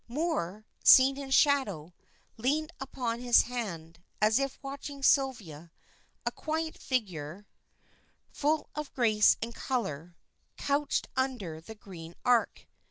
Moor, seen in shadow, leaned upon his hand, as if watching Sylvia, a quiet figure, full of grace and color, couched under the green arch.